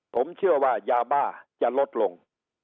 ผมเชื่อว่ายาบ้าจะลดลง